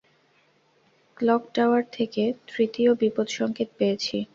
Clock tower থেকে তৃতীয় বিপদ সংকেত পেয়েছি।